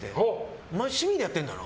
お前、趣味でやってんだろ？